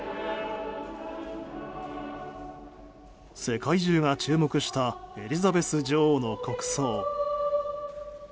世界中が注目したエリザベス女王の国葬。